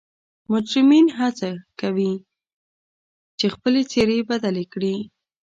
مجرمین حڅه کوي چې خپلې څیرې بدلې کړي